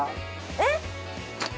えっ！？